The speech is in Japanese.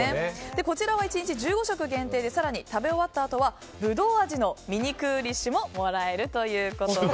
こちらは１日１５食限定で食べ終わったあとはぶどう味のミニクーリッシュもすごい！